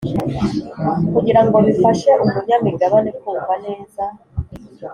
Kugira ngo bifashe umunyamigabane kumva neza